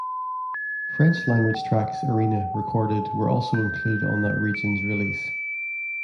French language tracks Arena recorded were also included on that region's release.